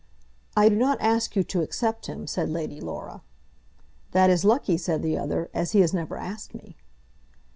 "I do not ask you to accept him," said Lady Laura. "That is lucky," said the other, "as he has never asked me."